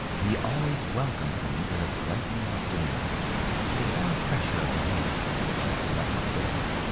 He always welcomed me with a brightening of demeanor and a warm pressure of the hand which I could not mistake.